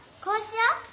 こうしよう。